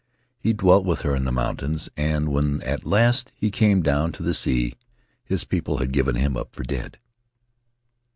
He dwelt with her in the mountains, and when at last he came down to the sea his people had given him up for dead.